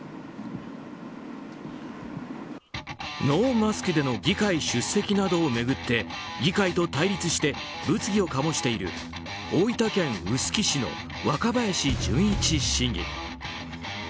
ノーマスクでの議会出席などを巡って議会と対立して物議を醸している大分県臼杵市の若林純一市議。